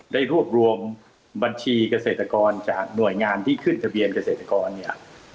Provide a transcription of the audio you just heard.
ได้รวบรวมบัญชีเกษตรกรจากหน่วยงานที่ขึ้นทะเบียนเกษตรกรเนี่ย